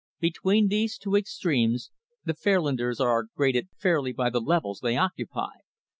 Between these two extremes, the Fairlanders are graded fairly by the levels they occupy.